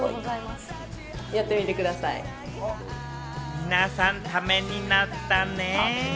皆さん、ためになったね。